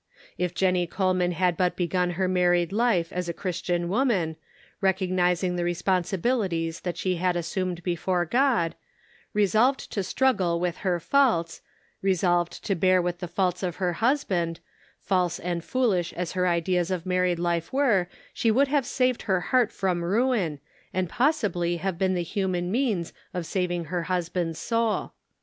If Jennie Shirking Responsibility. 433 Coleman had but begun her married life as a Christian woman, recognizing the respon sibilities that she had assumed before God, resolved to struggle with her faults, resolved to bear with the faults of her husband, false and foolish as her ideas of married life were, she would have saved her heart from ruin, and possibly have been the human means of saving her husband's soul.